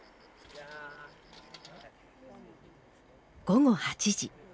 午後８時。